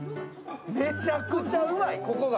めちゃくちゃうまい、ここが。